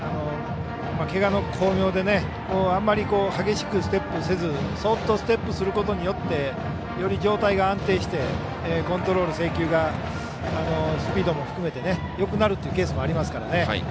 けがの功名であまり激しくステップせずそっとステップすることによってより状態が安定してコントロール、制球がスピードも含めてよくなるというケースもありますからね。